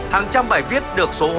hàng trăm bài viết được xuất hiện